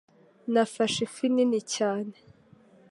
Nafashe ifi nini cyane